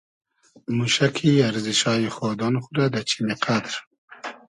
موشۂ کی ارزیشایی خودۉن خو رۂ دۂ چیمی قئدر